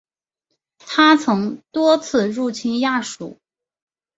他曾多次入侵亚述。